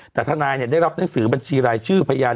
แต่ทนายได้รับหนังสือบัญชีรายชื่อพยาน